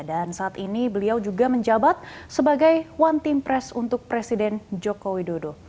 dan saat ini beliau juga menjabat sebagai one team press untuk presiden joko widodo